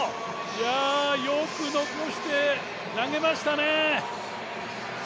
いや、よく残して投げましたね。